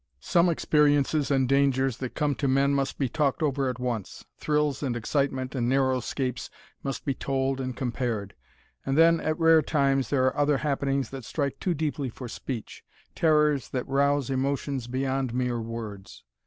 Some experiences and dangers that come to men must be talked over at once; thrills and excitement and narrow escapes must be told and compared. And then, at rare times, there are other happenings that strike too deeply for speech terrors that rouse emotions beyond mere words.